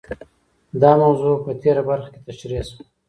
دا موضوع په تېره برخه کې تشرېح شوه.